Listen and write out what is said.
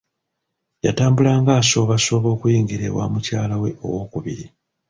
Yatambulanga asoobasooba okuyingira e wa mukyalawe owokubiri.